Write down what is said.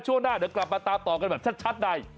ช่วงหน้าเดี๋ยวกลับมาตามต่อกันแบบชัดใน